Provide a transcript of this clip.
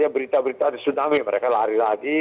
berita berita ada tsunami mereka lari lagi